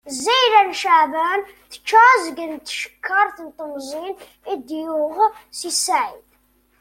Zzayla n Ceɛban, tečča azgen n tcekkaṛt n temẓin i d-yuɣ Si Saɛid.